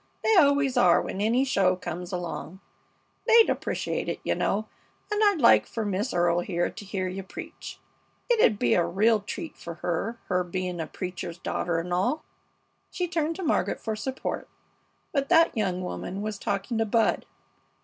They always are when any show comes along. They'd appreciate it, you know, and I'd like fer Miss Earle here to hear you preach. It 'u'd be a real treat to her, her being a preacher's daughter and all." She turned to Margaret for support, but that young woman was talking to Bud.